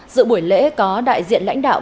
dự buổi lễ có đại diện lãnh đạo